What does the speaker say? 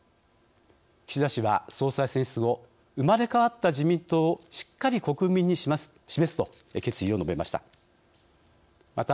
岸田氏は、総裁選出後「生まれ変わった自民党をしっかり国民に示す」と決意を述べました。